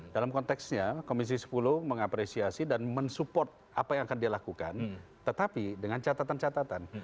dalam konteksnya komisi sepuluh mengapresiasi dan mensupport apa yang akan dia lakukan tetapi dengan catatan catatan